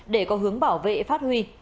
để có hướng bảo vệ phát huy